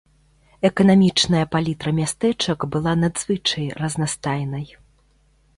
Эканамічная палітра мястэчак была надзвычай разнастайнай.